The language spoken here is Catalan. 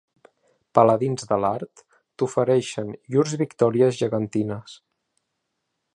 Paladins de l'art t'ofereixen llurs victòries gegantines.